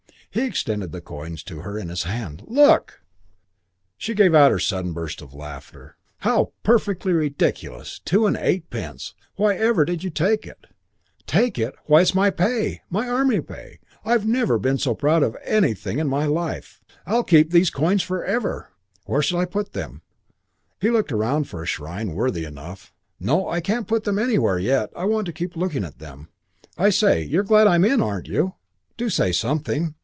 He extended the coins to her in his hand. "Look!" She gave her sudden burst of laughter. "How perfectly ridiculous! Two and eightpence! Whyever did you take it?" "Take it? Why, it's my pay. My army pay. I've never been so proud of anything in my life. I'll keep these coins forever. Where shall I put them?" He looked around for a shrine worthy enough. "No, I can't put them anywhere yet. I want to keep looking at them. I say, you're glad I'm in, aren't you? Do say something."